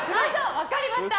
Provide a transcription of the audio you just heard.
分かりました。